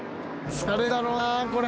疲れるだろうなこれ。